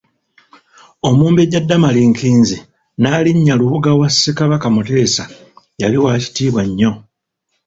Omumbejja Damali Nkinzi Nnaalinnya Lubuga wa Ssekabaka Mutesa yali wa kitiibwa nnyo.